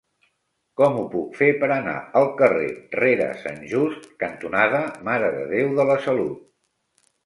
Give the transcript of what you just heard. Com ho puc fer per anar al carrer Rere Sant Just cantonada Mare de Déu de la Salut?